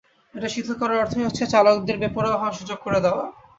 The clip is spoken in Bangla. এটা শিথিল করার অর্থই হচ্ছে চালকদের বেপরোয়া হওয়ার সুযোগ করে দেওয়া।